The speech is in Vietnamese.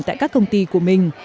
tại các công ty của mình